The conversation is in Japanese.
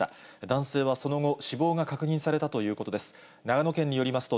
男性はその後、死亡が確認されたということです。